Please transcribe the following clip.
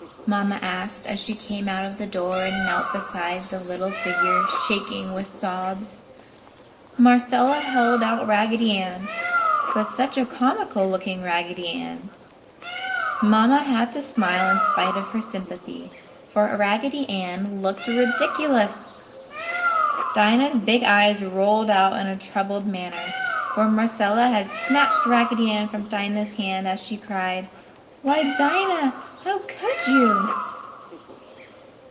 Mamma asked, as she came out the door and knelt beside the little figure shaking with sobs. Marcella held out Raggedy Ann. But such a comical looking Raggedy Ann! Mamma had to smile in spite of her sympathy, for Raggedy Ann looked ridiculous! Dinah's big eyes rolled out in a troubled manner, for Marcella had snatched Raggedy Ann from Dinah's hand as she cried, "Why, Dinah! How could you?"